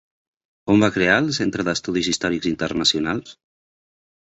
On va crear el Centre d'Estudis Històrics Internacionals?